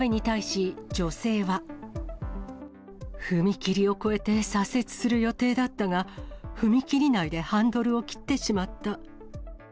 踏切を越えて左折する予定だったが、踏切内でハンドルを切ってしまった。